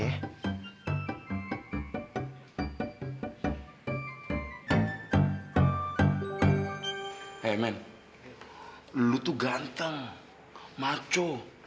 hey men lo tuh ganteng maco